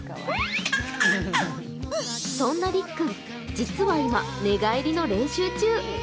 そんなりっくん、実は今、寝返りの練習中。